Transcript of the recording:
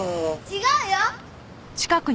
違うよ！